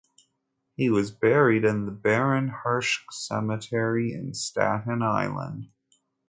He was buried in the Baron Hirsch Cemetery in Staten Island.